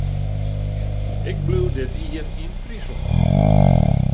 Ik bliuw dit jier yn Fryslân.